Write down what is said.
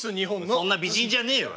そんな美人じゃねえわ！